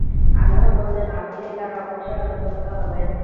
আল্লাহ বললেন, অচিরেই তারা অবশ্যই অনুতপ্ত হবে।